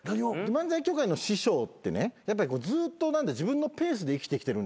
漫才協会の師匠ってねずっと自分のペースで生きてきてるんですよ。